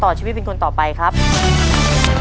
ปีหน้าหนูต้อง๖ขวบให้ได้นะลูก